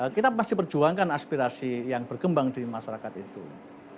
kita pasti perjuangkan aspirasi yang berkembang di masyarakat itu